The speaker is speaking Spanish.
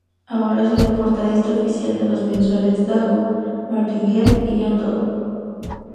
Ahora es el portadista oficial de los mensuales "Dago", "Martin Hel" y "John Doe".